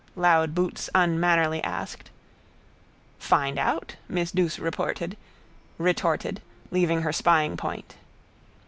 loud boots unmannerly asked. —Find out, miss Douce retorted, leaving her spyingpoint.